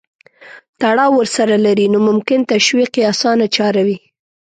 تړاو ورسره لري نو ممکن تشویق یې اسانه چاره وي.